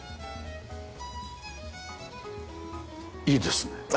いいですね。